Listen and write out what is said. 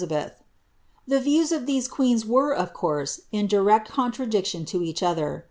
ibeth. The views of iIimc qneens were, of course, in direct coiilradiclion to each oihcr.